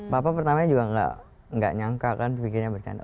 bapak pertamanya juga nggak nyangka kan pikirnya bercanda